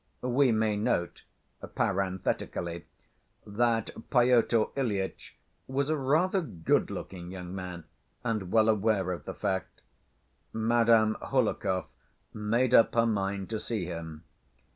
We may note, parenthetically, that Pyotr Ilyitch was a rather good‐looking young man, and well aware of the fact. Madame Hohlakov made up her mind to see him.